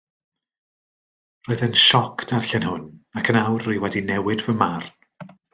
Roedd e'n sioc darllen hwn ac yn awr rwy wedi newid fy marn.